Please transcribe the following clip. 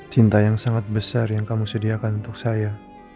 cinta yang sangat besar yang kamu sediakan untuk saya